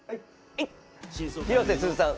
広瀬すずさん